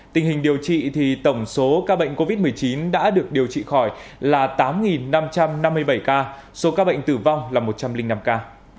tình hình điều trị thì tổng số ca bệnh covid một mươi chín đã được điều trị khỏi là tám năm trăm năm mươi bảy ca số ca bệnh tử vong là một trăm linh năm ca